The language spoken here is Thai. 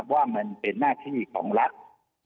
ว่ามันเป็นหน้าที่ของรัฐ